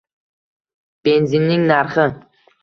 Benzinning narxi